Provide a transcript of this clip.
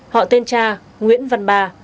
họ tên cha nguyễn văn ba